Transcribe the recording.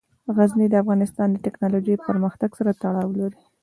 غزني د افغانستان د تکنالوژۍ پرمختګ سره تړاو لري.